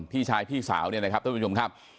พี่ชายพี่สาวเนี่ยนะครับท่านผู้ชมครับ